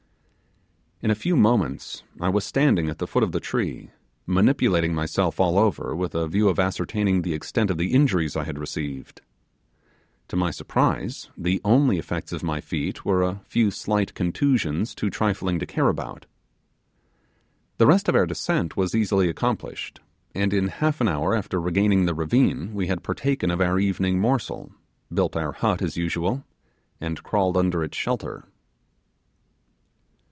In a few moments I was standing at the foot of the tree manipulating myself all over with a view of ascertaining the extent of the injuries I had received. To my surprise the only effects of my feat were a few slight contusions too trifling to care about. The rest of our descent was easily accomplished, and in half an hour after regaining the ravine we had partaken of our evening morsel, built our hut as usual, and crawled under its shelter.